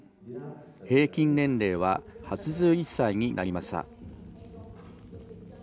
平均年齢は８１歳になりました。